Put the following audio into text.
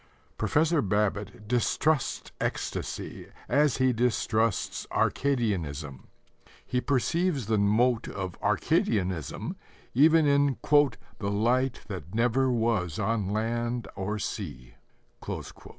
Professor Babbitt distrusts ecstasy as he distrusts Arcadianism. He perceives the mote of Arcadianism even in "the light that never was on sea or land."